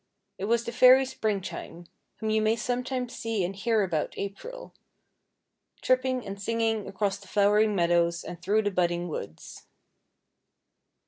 It was the fairy Springtime, whom you may sometimes see and hear about April, tripping and singing across the flowering meadows and through the budding woods.